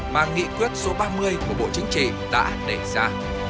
mà nghị quyết số ba mươi của bộ chính trị đã đề ra